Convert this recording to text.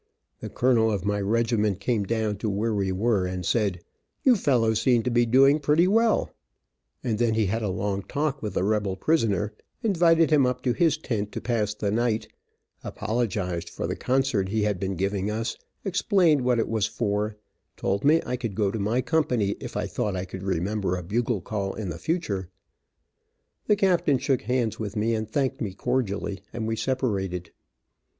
The colonel of my regiment came down to where we were, and said, "You fellows seem to be doing pretty well," and then he had a long talk with the rebel prisoner, invited him up to his tent to pass the night, apologized for the concert he had been giving us, explained what it was for, told me I could go to my company if I thought I could remember a bugle call in the future; the captain shook hands with me and thanked me cordially, and we separated.